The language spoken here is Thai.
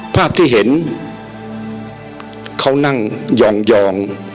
ภาพที่เห็นเขานั่งยอง